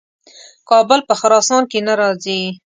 کابل په خراسان کې نه راځي.